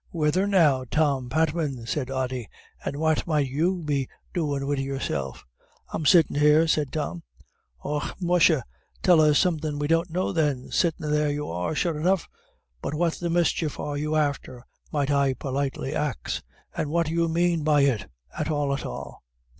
"Whethen now, Tom Patman," said Ody, "and what might you be doin' wid yourself?" "I'm sittin' here," said Tom. "Och musha, tell us somethin' we don't know then. Sittin' there you are, sure enough, but what the mischief are you after, might I politefully ax? or what you mane by it at all at all?"